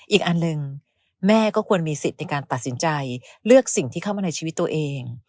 อีกอันหนึ่งแม่ก็ควรมีสิทธิ์ในการตัดสินใจเลือกสิ่งที่เข้ามาในชีวิตตัวเอง